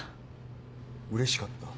うれしかった？